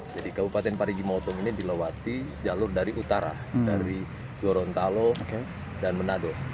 jadi kabupaten parigi motong ini dilawati jalur dari utara dari gorontalo dan menado